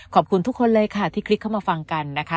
ขอบคุณทุกคนเลยค่ะที่คลิกเข้ามาฟังกันนะคะ